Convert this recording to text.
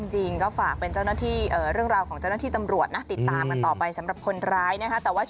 จริงก็ฝากเป็นเจ้าหน้าที่เรื่องราวของเจ้าหน้าที่ตำรวจนะติดตามกันต่อไปสำหรับคนร้ายนะคะ